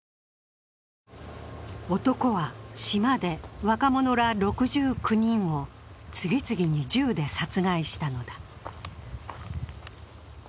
男は島で若者ら６９人を次々に銃で殺害したのだ。